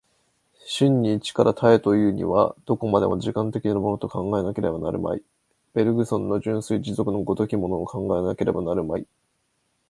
真に一から多へというには、どこまでも時間的なものと考えなければなるまい、ベルグソンの純粋持続の如きものを考えなければなるまい。